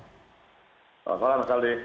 selamat malam mas aldi